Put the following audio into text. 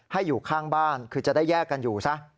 ให้อยู่ข้างบ้านคือจะได้แยกกันอยู่ซะ